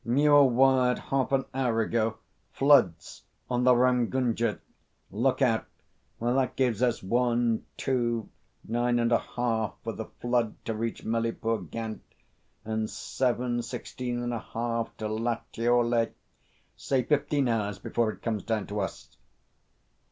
Muir wired half an hour ago: 'Floods on the Ramgunga. Look out.' Well, that gives us one, two nine and a half for the flood to reach Melipur Ghaut and seven's sixteen and a half to Lataoli say fifteen hours before it comes down to us."